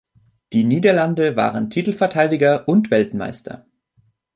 Die Niederlande waren Titelverteidiger und Weltmeister.